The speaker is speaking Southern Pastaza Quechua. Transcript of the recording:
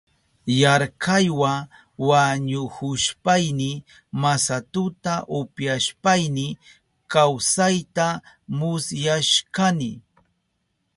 Yarkaywa wañuhushpayni masatuta upyashpayni kawsayta musyashkani.